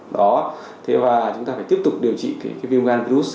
đó thế và chúng ta phải tiếp tục điều trị cái viêm gan virus